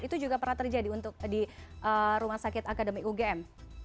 itu juga pernah terjadi untuk di rumah sakit akademi ugm